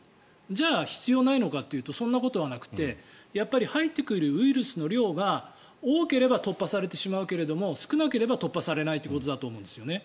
じゃあ、必要ないのかというとそんなことはなくてやっぱり入ってくるウイルスの量が多ければ突破されてしまうけれども少なければ突破されないということだと思うんですよね。